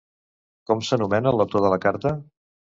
Com s'anomena l'autor de la carta?